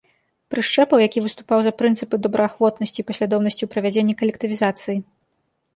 Прышчэпаў, які выступаў за прынцыпы добраахвотнасці і паслядоўнасці ў правядзенні калектывізацыі.